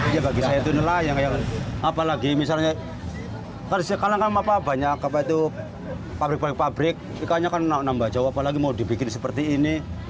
ya bagi saya itu nelayan apalagi misalnya kan sekarang kan banyak apa itu pabrik pabrik ikannya kan nambah jauh apalagi mau dibikin seperti ini